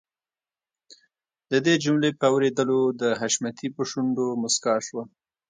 د دې جملې په اورېدلو د حشمتي په شونډو مسکا شوه.